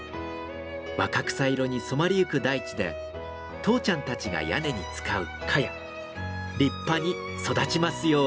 若草色に染まりゆく大地でとうちゃんたちが屋根に使うカヤ立派に育ちますように。